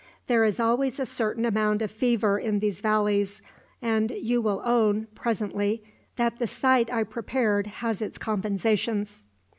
There is always a certain amount of fever in these valleys, and you will own, presently, that the site I prepared has its compensations."